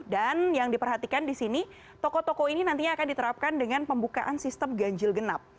dan yang diperhatikan di sini toko toko ini nantinya akan diterapkan dengan pembukaan sistem ganjil genap